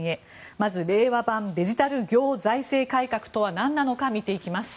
まずは令和版デジタル行財政改革とは何なのか見ていきます。